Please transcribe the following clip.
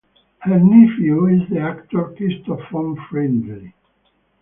Her nephew is the actor Christoph von Friedl.